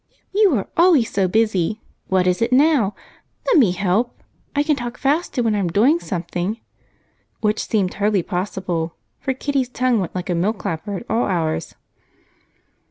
"You are always so busy! What is it now? Let me help I can talk faster when I'm doing something," which seemed hardly possible, for Kitty's tongue went like a mill clapper at all hours.